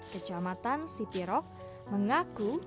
kejamaatan sipirog mengaku